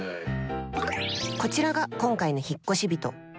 こちらが今回の引っ越し人舘恭志さん